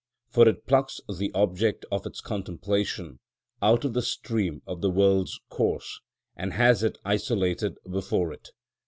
For it plucks the object of its contemplation out of the stream of the world's course, and has it isolated before it.